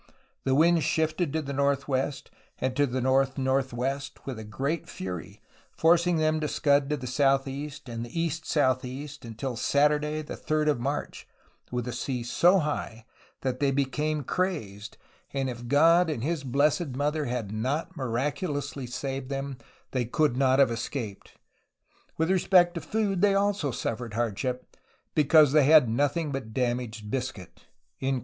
The wind shifted to the northwest and to the north northwest with great fury, forcing them to scud to the southeast and east southeast until Saturday the 3d of March, with a sea so high that they became crazed, and if God and his blessed Mother had not miraculously saved them they could not have escaped ... With respect to food they also suf fered hardship, because they had nothing but damaged biscuit."